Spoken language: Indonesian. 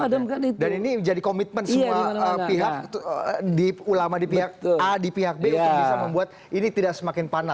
dan ini jadi komitmen semua pihak ulama di pihak a di pihak b untuk bisa membuat ini tidak semakin berbahaya